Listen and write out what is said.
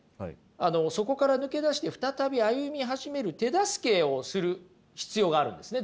あのそこから抜け出して再び歩み始める手助けをする必要があるんですね。